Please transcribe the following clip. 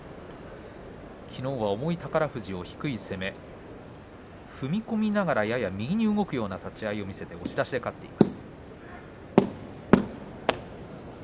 きのうは重い宝富士を低い攻め踏み込みながら、やや右に動くような立ち合いを見せて押し出しで勝っています。